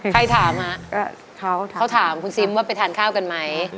ใครถามเขาถามคุณซิมว่าไปทานข้าวกันไหม